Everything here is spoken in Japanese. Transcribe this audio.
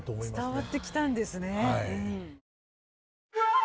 伝わってきたんですね。